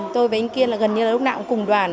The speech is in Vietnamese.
tôi với anh kiên là gần như là lúc nào cũng cùng đoàn